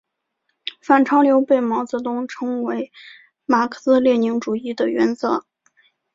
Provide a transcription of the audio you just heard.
反潮流被毛泽东称为马克思列宁主义的原则。